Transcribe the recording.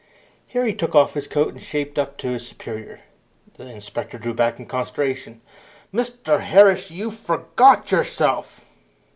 Here he took off his coat and shaped up to his superior. The inspector drew back in consternation. "Mr Harris, you forget yourself!"